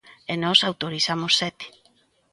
E nós autorizamos sete.